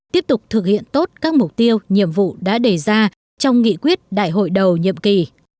tiếp tục thực hiện tốt các mục tiêu nhiệm vụ đã đề ra trong nghị quyết đại hội đầu nhiệm kỳ